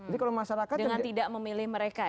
dengan tidak memilih mereka ya